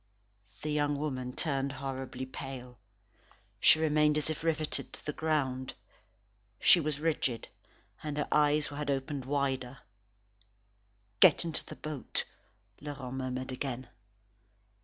The young woman turned horribly pale. She remained as if riveted to the ground. She was rigid, and her eyes had opened wider. "Get into the boat," Laurent murmured again.